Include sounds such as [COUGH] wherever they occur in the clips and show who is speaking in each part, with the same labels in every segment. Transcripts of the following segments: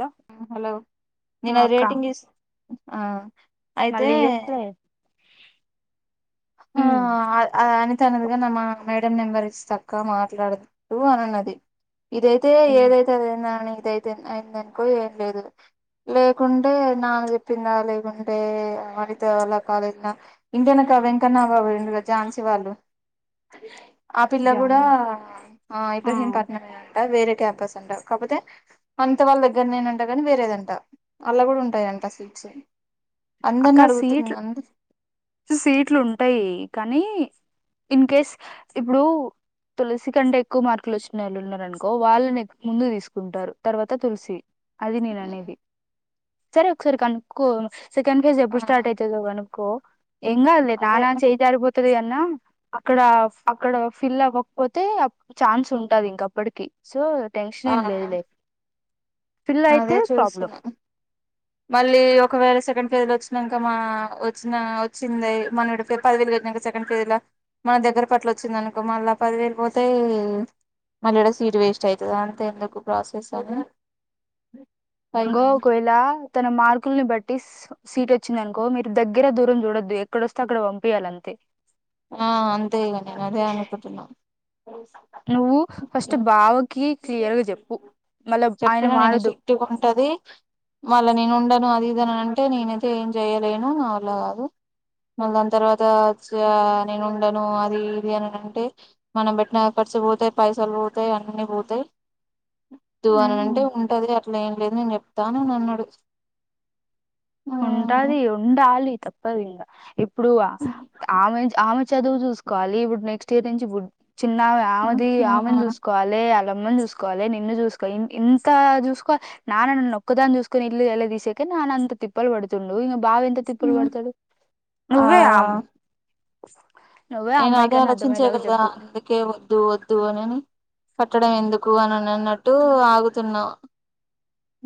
Speaker 1: Hello
Speaker 2: hello
Speaker 1: ఆ
Speaker 2: నేను అది
Speaker 1: అక్క
Speaker 2: రేటింగ్ ఆ అయితే
Speaker 1: మళ్ళీ చేస్తే
Speaker 2: ఆ అ ఆ తనదిగా నా మా మేడం నెంబర్ ఇస్తా అక్క మాట్లాడుతూ అనన్నది ఇదైతే
Speaker 1: ఉమ్
Speaker 2: ఏదైతే అయిందని ఇదైతే అయిందనుకో ఏం లేదు లేకుంటే నాన్న చెప్పిందా లేకుంటే వాడితే వాళ్ళ కాలేజిన ఇంటేనక అవ క్కనా బాబాయి ఉండుగా ఝాన్సీ వాళ్ళు ఆ పిల్ల
Speaker 1: జా
Speaker 2: కూడా ఆ ఇబ్రహీం పట్న మే వేరే క్యాంపస్ అంట కాకపోతే అనిత వాళ్ళ దగ్గర నేనంట కాని వేరేదంటా అలా కూడా ఉంటాయింట
Speaker 1: అక్క
Speaker 2: అందరిని అడుగుతున్న
Speaker 1: సీట్లు సీట్లు ఉంటాయి కానీ ఇన్ కేస్ ఇప్పుడు తులసి కంటే ఎక్కువ మార్కులు వచ్చిన వాళ్ళు ఉన్నారనుకో వాళ్ళని ముందు తీసుకుంటారు తర్వాత తులసి అది నేను అనేది సరే ఒకసారి కనుక్కో సెకెండ్ ఫేజ్
Speaker 2: ఆ
Speaker 1: ఎప్పుడు స్టార్ట్ అయితది గనుకో ఏమ్ కాదులే
Speaker 2: అదే
Speaker 1: నాన్న చేయి జారిపోతది అక్కడ అక్కడ ఫిల్ల్ అవ్వకపోతే ఛాన్స్ ఉంటది ఇంక అప్పటికి సో టెన్షన్
Speaker 2: ఆ
Speaker 1: ఎమ్ లేదులే ఫిల్
Speaker 2: అదే
Speaker 1: అయితే ప్రాబ్లం
Speaker 2: చూస్తున్నా మళ్ళీ ఒకవేళ సే సెకండ్ ఫేజ్ లో వచ్చినాక వచ్చిన వచ్చింది మన పదవిీలు కినక సెకండ్ ఫేజ్ లో [UNINTELLIGIBLE] దగ్గర కట్ల వచ్చింది అనుకో మళ్ళా పదివేలు పోతే మళ్ళీ ఇడ సీట్ వేస్ట్ అయితది అంత ఎందుకు ప్రాసెస్ అని
Speaker 1: గో
Speaker 2: అయిపోయింది
Speaker 1: ఒక వేళ తన మార్కుల్ని బట్టి సీట్ వచ్చింది అనుకో మీరు దగ్గర దూరం చూడొద్దు ఎక్కడొస్తే అక్కడ పంపేయాలింతే
Speaker 2: ఆ అంతేగా ఇగ నేను అదే అనుకుంటున్నా
Speaker 1: నువ్వు ఫస్ట్ బావకి క్లియర్గా చెప్పు మళ్ళా ఆయన
Speaker 2: చెప్పిన నేను
Speaker 1: మారదు
Speaker 2: స్ట్రీట్ గా ఉంటది మళ్ళా నేను ఉండను అది ఎదైనా అంటే నేనైతే ఏం చెయలేను నా వల్ల కాదు మల్ దాని తర్వాత నేను ఉండను అది ఇది అని అంటే మనం పెట్టిన ఖర్చు పోతాయి పైసాలు పోతాయి అన్ని పోతాయి
Speaker 1: ఆ
Speaker 2: అని అంటే ఉంటది అట్లా ఏం లేదు నేను చెప్తాను అని అన్నాడు ఉమ్,
Speaker 1: ఉంటది ఉండాలి తప్పదు ఇంకా ఇప్పుడు ఆమె ఆమె చదువు చూసుకోవాలి ఇప్పుడు నెక్స్ట్ ఇయర్ నుంచి చిన్న ఆమే ఆమెది ఆమెని
Speaker 2: ఉమ్,
Speaker 1: చూసుకోవాలే మమ్మని చూసుకోవాలి నిన్ను చూసుకో ఇంత చూసుకోవాలి నాన్న నన్ను ఒక్కదాని చూసుకని ఇల్లు ఎలా తీసేక అ అంత త [UNINTELLIGIBLE] తిప్పలు పడుతుండు ఇంగ బావ ఎంత తిప్పలు
Speaker 2: ఉమ్.
Speaker 1: పడతడు నువ్వే ఆ నువ్వే ఆ
Speaker 2: నేను అదే
Speaker 1: అమ్మాయికన్నా
Speaker 2: ఆలోచించా
Speaker 1: అర్థమయ్యేలాగా
Speaker 2: కదా
Speaker 1: చెప్పు
Speaker 2: అందుకే వద్దు వద్దు అనని కట్టడం ఎందుకు అని అన్నట్టు ఆగుతున్నా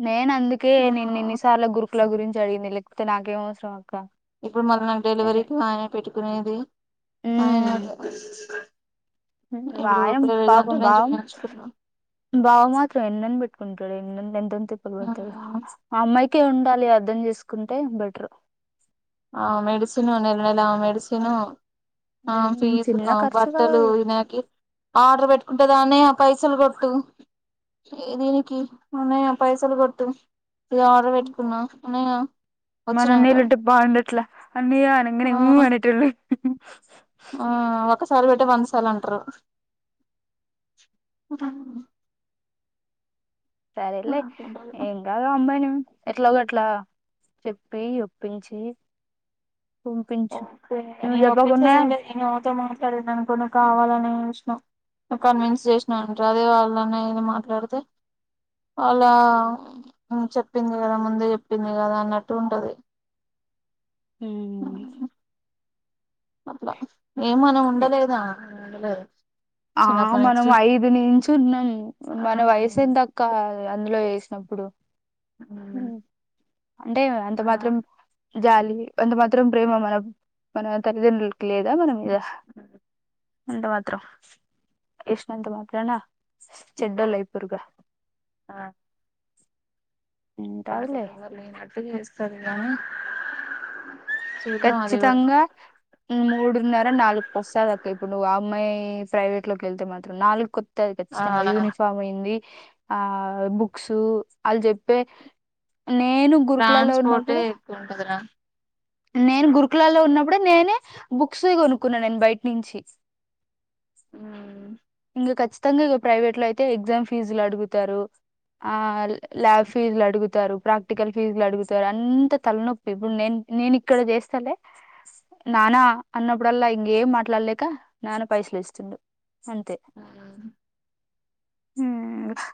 Speaker 1: నేను అందుకే
Speaker 2: ఆ,
Speaker 1: నిన్ను ఇన్నిసార్లు గురుకుల గురించి అడిగింది లేకపోతే నాకేం అవసరం అక్క
Speaker 2: ఇప్పుడు మళ్ళీ నాకు డెలివరీకి మా ఆయనే పెట్టుకునేది ఆయన
Speaker 1: ఉమ్
Speaker 2: ఇప్పుడు
Speaker 1: వాయం
Speaker 2: ప్రైవేట్
Speaker 1: పాపం
Speaker 2: దాంట్లోనే
Speaker 1: భావం
Speaker 2: చూయించుకున్నాం
Speaker 1: భావ మాత్రం ఎన్నని పెట్టుకుంటడే ఆ అమ్మాయి కే ఉండాలి అర్థం చేసుకుంటే బెటర్
Speaker 2: ఆ మెడిసిను నెల నెల ఆ మెడిసిను ఆ ఫీజు
Speaker 1: చిన్న ఖర్చు కదా
Speaker 2: బట్టలు
Speaker 1: అది
Speaker 2: ఈనాకి ఆర్డర్ పెట్టుకుంటే దానే పైసలు కొట్టు దీనికి ఉన్నాయా పైసలు కొట్టు ఇది ఆర్డర్ పెట్టుకున్నా అన్నయా
Speaker 1: మన అన్నళ్ళుంటే బాగుండట్లా అన్నయ్య
Speaker 2: ఆ
Speaker 1: అనగానేఊ అనేటళ్ళు
Speaker 2: ఆ ఒకసారి పెట్టటి వంద సార్ లుఅంటారు [INAUDIBLE]
Speaker 1: సరేలే ఎంకాదు రమ్మ అను ఎట్లా గోట్లా చెప్పియి ఒప్పించి పంపించు
Speaker 2: ఓకే
Speaker 1: నువ్వు
Speaker 2: నేను
Speaker 1: చెప్పకున్నా
Speaker 2: ఒప్పించేదండి నేనుతో మాట్లాడిను అనుకుని కావాలని ఒక కన్విన్స్ చేసినా అంట అదే వాళ్ళ ఏమ అన్నా ఏ మాట్లాడితే అలా చెప్పింది కదా ముందే చెప్పింది కదా అన్నట్టు ఉంటది
Speaker 1: ఆ
Speaker 2: అట్లా ఏమని ఉండలేదా ఉండలేదు
Speaker 1: ఆ
Speaker 2: చిన్నప్పటి
Speaker 1: మనం
Speaker 2: నుంచి
Speaker 1: ఐదు నుంచిు ఉన్నాం మన వయసు ఎంత అక్క అందులో వేసిన అప్పుడు అంటే అంత
Speaker 2: ఆ
Speaker 1: మాత్రం జాలి అంత మాత్రం ప్రేమ మన మన తల్లిదండ్రులకి లేదా మనం యాహ్ ఎంత మాత్రం ఇష్టఅంత మాత్రనా చెడ్డలై పొరుగ
Speaker 2: ఆ వాటి
Speaker 1: ఉంటారులే
Speaker 2: ఎవలన ఏట్ట చేస్తఅంది ఆ
Speaker 1: ఖచ్చితంగా మూడు ఉన్నర నాలుగు వస్తాద అక్క ఇప్పుడు నువ్వు అమ్మాయి ప్రైవేట్ లోకి వెళ్తే మాత్రం నాలుగు కొత్ త్తది
Speaker 2: ఆ
Speaker 1: ఖచ్చితంగా యూనిఫామ్ అయింది ఆ బుక్స్ వాళ్ళు చెప్పే నేను గురుకులాలో ఉన్న
Speaker 2: ట్రాన్స్పోర్టే
Speaker 1: అప్పుడు
Speaker 2: ఎక్కువ ఉంటదిరా
Speaker 1: నేను గురుకులాల్లో ఉన్న ఆప్పుడు నేనే బుక్స్ కొనుక్కు ఉన్నాను నేను బయట నుంచి
Speaker 2: ఆ
Speaker 1: ఇంకా ఖచ్చితంగా ఇక ప్రైవేట్ లో అయితే ఎగ్జామ్ ఫీజులు అడుగుతారు ఆల్ ల్యాబ్ ఫీజులు అడుగుతారు ప్రాక్టికల్ ఫీజులు అడుగుతారు అంత తలనొప్పి ఇప్పుడు నేను నేను ఇక్కడ చేస్తాలే నానా అన్నప్పుడ ఆల్లా ఇంకేం మాట్లాడలేక నాన్న పైసలు ఇస్తు ఉండు అంతేమ్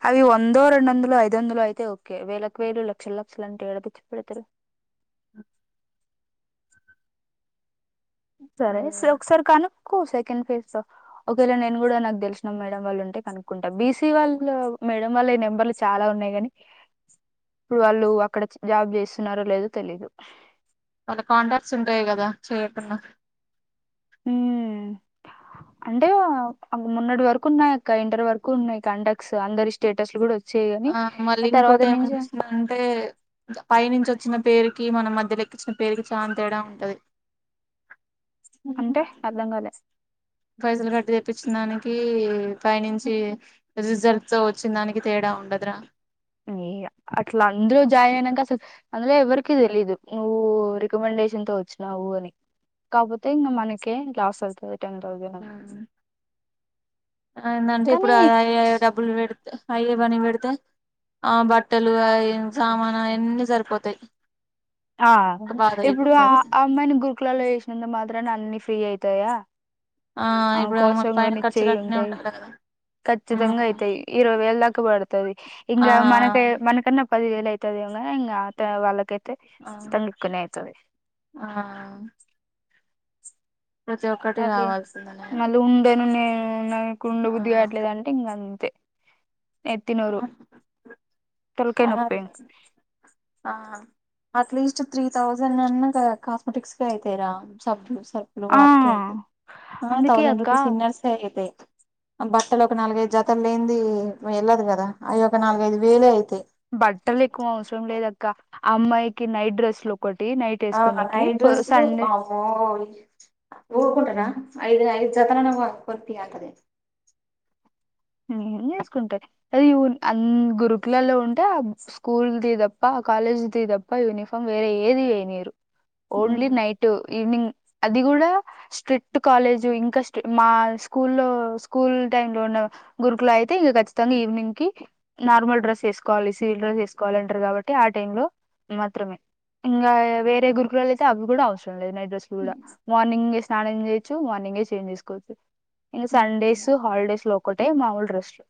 Speaker 1: అవి వందో రెండు వందలు ఐదు వందలు అయితే ఓకే వేలకు వేలు లక్షల లక్షల అంటే ఏడ తేచ్చి పెడతారు
Speaker 2: అ
Speaker 1: సరే
Speaker 2: అదే
Speaker 1: స్రోక్ సర్ కానీ కో సెకండ్ ఫేజ్ తో ఒకేళ నేను కూడా నాకు తెలిసినాం మేడం వాళ్ళు ఉంటే కనుక్కుంటా బీసీ వాళ్ళ మేడం వాల్ల ఈ నెంబర్లు చాలా ఉన్నాయి గాని ఇప్పుడు వాళ్ళు అక్కడ జాబ్ చేస్తున్నారో లేదో తెలీదు
Speaker 2: వాళ్ళ కాంటాక్ట్స్ ఉంటాయి కదా చేయ్యకుండా
Speaker 1: హ అంటే మొన్నటి వరకు ఉన్నాయి అ ఇంటర్ వరకు ఉన్నాయి కండక్స్ అందరి స్టేటస్ కూడా వ
Speaker 2: ఆ మళ్ళీ ఇంకోటి ఏమనిపిస్తుంది అంటే పైనుంచి వచ్చ ఇచ్చిన పేరుకి మన మధ్య లెక్కించిన పేరుకి చాలా తేడా ఉంటది
Speaker 1: అంటే అర్ధం కాల
Speaker 2: పైసలు కట్టి తెప్పించిన దానికి పైనుంచి రిజర్వతో వచ్చిన దానికి తేడా ఉండద్రా
Speaker 1: అట్లా అందరూ జాయిన్ అయినాక అసలు అందులో ఎవరికి తెలీదు నువ్వు రికమెండేషన్ తో వచ్చినావు అని కాపోతే ఇ మనకే లాస్ అవుతుది టెన్ తౌసండ్
Speaker 2: ఏంటంటే ఇప్పుడు అయ డబ్బులు పెడుతే అయ పని పెడితే ఆ బట్టలువి సామాన్ అవన్నిీ సరిపోతాయి
Speaker 1: ఆ
Speaker 2: ఒక బాధ
Speaker 1: ఇప్పుడు ఆ
Speaker 2: అయిపోతది
Speaker 1: అమ్మాయిని గురుకులాలో వసినందు మాత్రం అన్నిీ ఫ్రీ అయి అతాయా
Speaker 2: ఆ
Speaker 1: అ
Speaker 2: ఇప్పుడు మన
Speaker 1: కోసం
Speaker 2: పైన
Speaker 1: కొన్ని
Speaker 2: ఖర్చులు
Speaker 1: చెయి్య
Speaker 2: అన్నీ
Speaker 1: ఉంటాయి
Speaker 2: కదా ఉమ్.
Speaker 1: ఖచ్చితంగా అయితాయి ఇరవై వేల దాకా పడుతుది
Speaker 2: ఆ
Speaker 1: ఇంకా మనక మనకన్నా పదివేలు అయితదివ ఎత వాళ్ళ కె
Speaker 2: ఆ
Speaker 1: తంగకునే అవుతుంది
Speaker 2: ఆ ప్రతి ఒక్కటి
Speaker 1: అది
Speaker 2: కావాల్సిందనే
Speaker 1: మళ్ళీ ఉండ ను నకుండ బుద్ది
Speaker 2: ఆ
Speaker 1: కావట్లేదుంటే ఇంకా అంతే ఎతినూరు తెలకై ముప్పైను
Speaker 2: ఆ అట్లీస్ట్ త్రీ థౌజండ్ అన్నా కాస్మెటిక్స్ క అయితరా సబ్ూస్ స్పులు
Speaker 1: ఆ
Speaker 2: వాటిక అయితే
Speaker 1: అందుకే
Speaker 2: థౌసండ్
Speaker 1: అక్క
Speaker 2: రుపీస్ ఇన్నర్సే అయితే బట్టలు ఒక నాలుగైదు జతలు లేనింది వెళ్ళదు కదా అవి ఒక నాలుగైదు వేలే అయితాయి
Speaker 1: బట్టలు ఎక్కువ అవసరం లేదక్క అమ్మాయికి నైట్ డ్రెస్లు ఒకటి నైట్
Speaker 2: ఆ
Speaker 1: వేసుకోనికి
Speaker 2: నైట్ డ్రెసులు
Speaker 1: సండే
Speaker 2: ఆ ఊరుకుంటార ఐదు ఐదు జతా నవ కొర్త ఆతద
Speaker 1: చేసుకుంటాయి అది అ గురుకులలో ఉంటే ఆ స్కూల్ది తప్ప కాలేజ్ దదప్ప యూనిఫార్మ్ వేరే ఏదినిరు ఓన్లీ నైట్ ఈవనింగ్ అది కూడా స్ట్రిక్ట్ కాలేజు ఇంకా స్ట మా స్కూ లో స్కూల్ టై లో ఉన్న గురుకులు అయితే ఇంకా చ్చితంగా ఈవినింగ్ కి నార్మల్ డ్రస్ వేసుకోాలి సివిల్ డ్రెస్ వేసువాలంటారు కాబట్టి ఆ లో మాత్రమే ఇంకా వేరే గురుకుల అయితే అవి కూడా అవసరం లేదు డ్రెస్లు కూడా మార్నింగే స్నానం చేయొచ్చు మార్నింగే చేంజ్ చేసుకోవచ్చు ఇం సండేస్ హాలిడేస్ లో ఒకక్కటే మాముూలు రెస్ట్ లు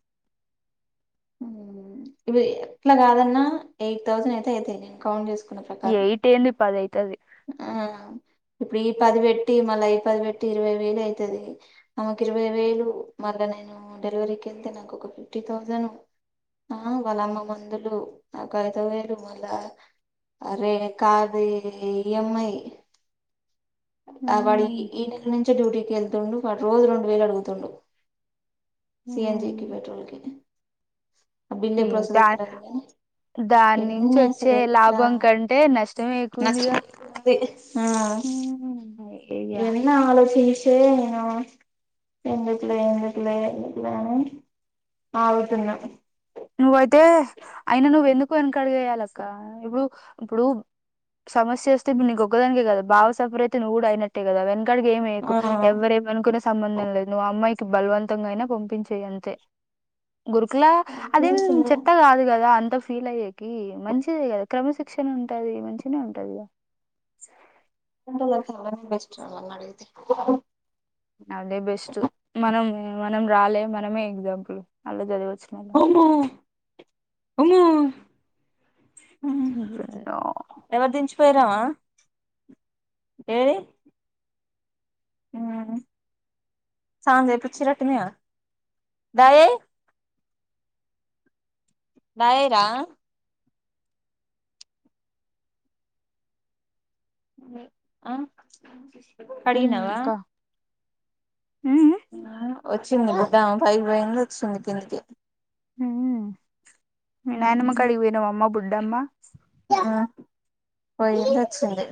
Speaker 2: ఇవి ఎట్లా కాదన్నా ఎయిట్ థౌసండ్ అయితే అవుత నేను కౌంట్ చేసుకు
Speaker 1: ఎయిట్ ఏడి పద అయితుది
Speaker 2: ఆ ఈ పది పెట్టి మళ్ళీ ఈ పది పెట్టి ఇరవై వేలు అవుతది ఆమకి ఇరవై వేలు మళ్లనే నేను డెలివరీకి వెళ్తే నాకు ఒక ఫిఫ్టీ థౌజండ్ ఆ వాళ్ళ అమ్మ మందులు నా ఐద వేలు మళ్ళా అరే కార్ది ఇఎంఐ వాడి
Speaker 1: ఉమ్
Speaker 2: ఈ నెల నుంచే డ్యూటీకి వెళ్తుండు వాడు రోజు రెండు వేలు అడుగుతుండు. సిఎన్జికి
Speaker 1: ఉమ్
Speaker 2: పెట్రోల్కి బిల్
Speaker 1: ఈ
Speaker 2: ఎప్పుడొస్తాదో
Speaker 1: దా
Speaker 2: తెల్వదుగా
Speaker 1: దాని నుంచి
Speaker 2: ఎన్ని స
Speaker 1: వచ్చే
Speaker 2: రట్లా
Speaker 1: లాభం కంటే నష్టమే
Speaker 2: నష్ట
Speaker 1: ఎక్కువుందిగా
Speaker 2: ఆ
Speaker 1: అయ్యయ్య
Speaker 2: ఏనా ఆలోషజేసి ఏచేనా ఎందుకులే ఎందుకులే ఎందుకులను అవుతున్న
Speaker 1: నువ్వైతే అయిన నువ్వెందుకు వెనకడిగేయాలక్క నువు ఇప్పుడు సమస్య వస్తేప్పు నీ గొక్కగాని కదా భావ సఫర్ అయితేనువు ఊ అయినట్టే కదా అవ క్కడికి ఏమి వేకు
Speaker 2: ఆ
Speaker 1: ఎవరేమ అనుకునే సంబంధం లేదువ్ అమ్మాయి బలవంతంగా అయినా పంపించే అంతే గురుకులా అదేం
Speaker 2: అనిపిస్తుంది
Speaker 1: చెత్త కాదు కదా గా అంత ఫీల్ అయ్యెకి మంచిది కదా క్రమశిక్షణ ఉంటది, మంచిగనే ఉంటదిగా.
Speaker 2: చాలనే బెస్ట్ నన్నడిగితే.
Speaker 1: అదే బెస్ట్ మనం మనం రాలే మనమే ఎగ్జాంపుల్ అల్లా చదివి
Speaker 2: అమ్మో అమ్మా
Speaker 1: [UNINTELLIGIBLE]
Speaker 2: పోయిరావా ఏది [INAUDIBLE] స్నానం జేపిచ్చిరట్టుందిగా డాయ్ డాయరా ఆ కడిగినవా
Speaker 1: ఉ
Speaker 2: వచ్చిందిలే గామే పైకి పోయింది వచ్చింది కిందికి.
Speaker 1: మీ నాయనమ్మ కాడికి పోయినవమ్మ బుడ్డమ్మా.
Speaker 2: ఆ పోయింది వచ్చింది.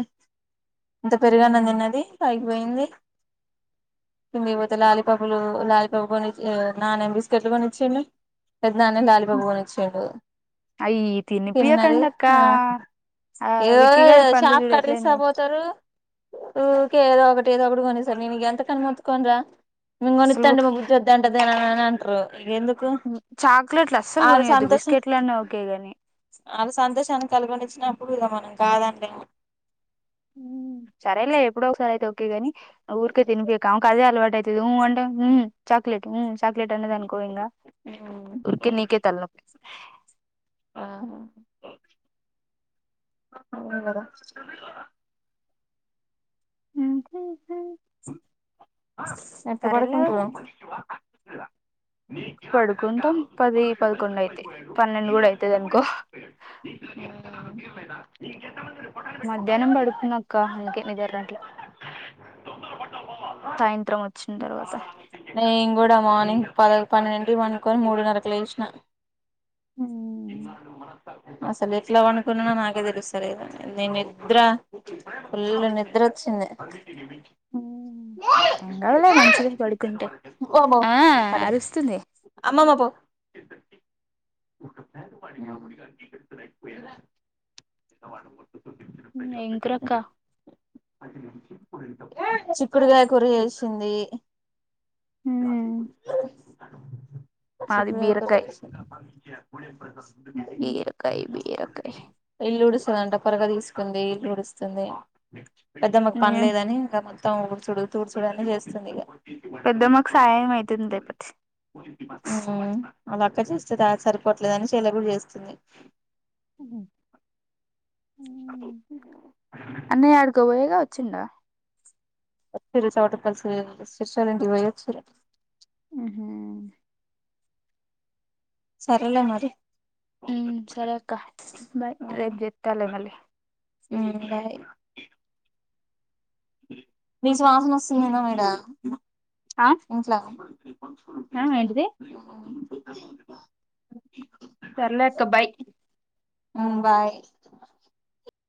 Speaker 2: ఇంత పెరుగన్నం తిన్నది, పై కిపోయింది. కిందికిపోతే లాలీపపులు లాలీపపు కొని ఇ నానేమో బిస్కెట్లు కొనిచ్చిండు. పెద్దనాన్న ఏమో లాలిపాపు కొనిచ్చిండు,
Speaker 1: అయి
Speaker 2: తిన్నది.
Speaker 1: తినిపియకండి అక్క
Speaker 2: ఆ
Speaker 1: ఆ
Speaker 2: ఇగో
Speaker 1: విక్కిగాడి పండ్లు
Speaker 2: షాప్
Speaker 1: చూడు
Speaker 2: కాడికి
Speaker 1: ఎట్లయినయో
Speaker 2: తీసుకపోతరు, ఊకే ఏదో ఒకటి ఏదో ఒకటి గోనిస్తరు. నేను ఇగ ఎంతకని మోత్తుకోనురా. నేను కొనిత్తా
Speaker 1: అసలు
Speaker 2: అంటే మా బద్దాంటదే అంటరు ఎందుకు కా
Speaker 1: చాక్లెట్లు అస్సలు
Speaker 2: ఆల్ల
Speaker 1: కొనియద్దు
Speaker 2: సంతోషం
Speaker 1: బిస్కెట్లన్నా ఓకే గాని
Speaker 2: ఆల్ల సంతోష కలుగొనిచ్చినప్పుడు ఇగ మనం కాదన్లేము.
Speaker 1: సరేలే ఎప్పుడో ఒకసారి అయితే ఒకేగాని ఊరికే తినిపోయకు. ఆమెకు అదే అలవాటు అయి తది ఊ అంటే హ్ చాక్లేట్ ఉ చాక్లెట్ అన్నదనుకో ఇంగా ఊరికే నీకే తలనొప్పి.
Speaker 2: ఆ కదా
Speaker 1: ఆడియో శబ్దంగా ఉంది
Speaker 2: ఎప్పుడు పడుకుంటరు. నీ కిరాతకానికి ఆ
Speaker 1: పడుకుంటాం
Speaker 2: రోజు
Speaker 1: పది
Speaker 2: సుబ్బారాయుడు బలి
Speaker 1: పదకొండు అయితాయి
Speaker 2: పశువైపోయాడు.
Speaker 1: పన్నెండు
Speaker 2: ఈ
Speaker 1: కూడా
Speaker 2: రోజు
Speaker 1: అయితది
Speaker 2: తమ్ముడే
Speaker 1: అనుకో
Speaker 2: బలైపోయాడు నీ హ్
Speaker 1: మధ్యాహ్నం పడుకున్న అక్క అందుకే నిద్ర రాట్లే. సాయ త్రం వచ్చిన తర్వాత.
Speaker 2: నేను కూడా మార్నింగ్ పద పన్నెండింటికి పడుకొని మూడున్నరకు లేశినా.
Speaker 1: హ్
Speaker 2: అసలు ఎట్లా పండునుకున్ననో నాకే తెలుస్తలేదు. నినిద్రా ఫుల్లు నిద్రోచ్చింది.
Speaker 1: ఎం కాదులే మంచిదే పడుకుంటే. ఆ అరుస్తుంది.
Speaker 2: అమ్మమ్మపో
Speaker 1: ఎం కూరక్కా?
Speaker 2: చిక్కుడుగాయ కూర చేశింది.
Speaker 1: హ్
Speaker 2: చిక్కుడుగాయ కూర చేశిం
Speaker 1: బీరకాయి, బీరకాయి
Speaker 2: దంట పరక తీసుకుంది ఇల్లు ఉడుస్తుంది పెద్దమ్మకు పనిలేదని ఇగ మొ మొత్తం ఉడుసుడు తూడ్చుడు అన్ని చేస్తుంది ఇగ
Speaker 1: పెద్దమ్మకు సయం అయితుందిలే పట్
Speaker 2: మ్ వాళ్ళు అక్క చేస్తేదిా సరిపోవట్లేదని చెల్లె కూడా చేస్తుంది
Speaker 1: మ్ హు మ్ అన్నయ అడికోబోయేగా వచ్చిండా
Speaker 2: వచ్చిళ్ళు చోటపల్సి సిస్టర్ ఇంటికి పోయి వచ్చిళ్ళు
Speaker 1: మ్ హు
Speaker 2: సరేలే మరి
Speaker 1: మ్ సరే అక్క బాయ్ రేపు చేత్తాలే మళ్ళి
Speaker 2: మ్ బాయ్ నీ శ్వాసన వస్తుందినా మడ
Speaker 1: ఆ
Speaker 2: ఇంట్లా పో
Speaker 1: ఆ ఏంటిది
Speaker 2: రూపాయ
Speaker 1: సర్లేక్క బాయ్
Speaker 2: మ్ బాయ్